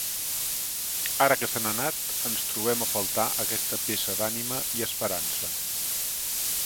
Ara que se n'ha anat ens trobem a faltar aquesta peça d'ànima i esperança.